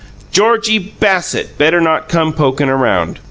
GEORGIE BASSETT better not come pokin' around!"